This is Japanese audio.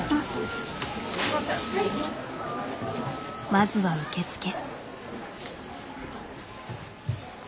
まずは受け付け。